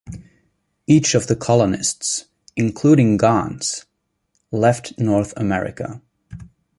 Each of the colonists, including Gans, left North America.